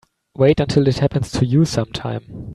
Wait until it happens to you sometime.